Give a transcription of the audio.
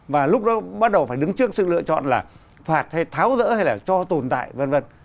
và lúc đó bắt đầu phải đứng trước sự lựa chọn là phạt hay tháo rỡ hay là cho tồn tại v v